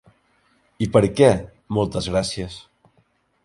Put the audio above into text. I per què moltes gràcies?